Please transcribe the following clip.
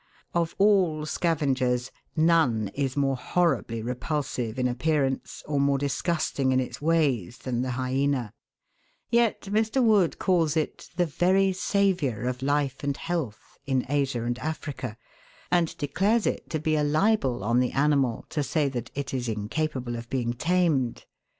Of all scavengers, none is more horribly repulsive in appearance or more disgusting in its ways than the hyaena ; yet Mr. Wood calls it the " very saviour of life and health " in Asia and Africa, and declares it to be a libel on the animal to say that it is incapable of being tamed.